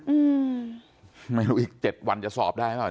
อืมไม่รู้อีกเจ็ดวันจะสอบได้หรือเปล่า